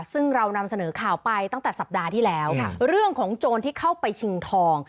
ซึ่งเรานำเสนอข่าวไปตั้งแต่สัปดาห์ที่แล้วเรื่องของโจรที่เข้าไปชิงทอง